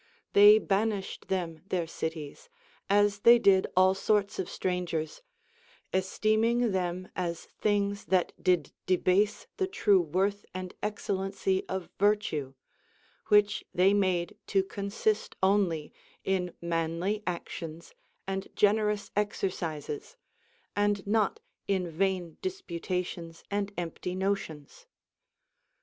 They banished them their cities, as they did all sorts of strangers, esteeming them as things that did debase the true worth and excellency of vii'tue, which they made to consist only in manly actions and generous exercises, and not in vain disputations and empty notions.